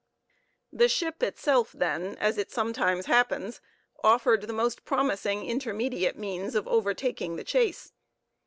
The ship itself, then, as it sometimes happens, offered the most promising intermediate means of overtaking the chase.